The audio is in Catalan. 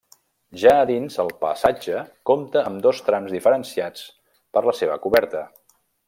Ja a dins el passatge compta amb dos trams diferenciats per la seva coberta.